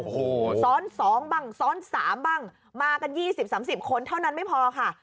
โอ้โหซ้อนสองบ้างซ้อนสามบ้างมากันยี่สิบสามสิบคนเท่านั้นไม่พอค่ะ